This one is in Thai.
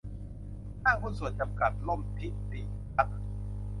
ห้างหุ้นส่วนจำกัด ร่มธิติรัตน์